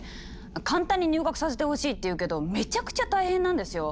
簡単に「入学させてほしい」って言うけどめちゃくちゃ大変なんですよ！